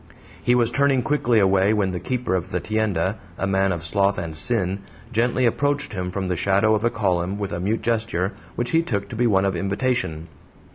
He was turning quickly away when the keeper of the tienda a man of sloth and sin gently approached him from the shadow of a column with a mute gesture, which he took to be one of invitation.